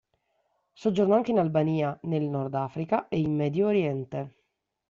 Soggiornò anche in Albania, nel Nord Africa e in Medio Oriente.